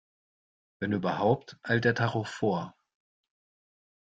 Wenn überhaupt, eilt der Tacho vor.